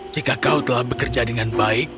jika kau telah bekerja dengan baik